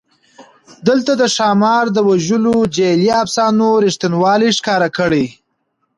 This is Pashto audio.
دلته د ښامار د وژلو جعلي افسانو رښتینوالی ښکاره کړی.